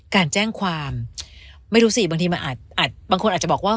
การแจ้งความไม่รู้สิบางทีมันอาจบางคนอาจจะบอกว่า